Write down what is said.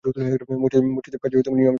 মসজিদের পাশেই ইমাম সাহেব আছেন।